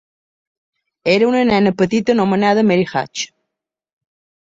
Era una nena petita anomenada Mary Hatch.